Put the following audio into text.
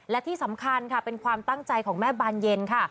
และที่สำคัญค่ะเป็นความตั้งใจของแม่บานเย็นค่ะ